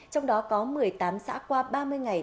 trong đó có một mươi tám xã qua ba mươi ngày